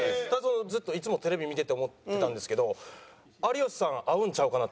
ずっといつもテレビ見てて思ってたんですけど有吉さん合うんちゃうかなって思ってるんですよ。